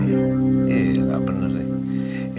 iya iya enggak bener nih